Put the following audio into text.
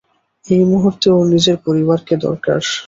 এই মুহুর্তে ওর নিজের পরিবারকে দরকার।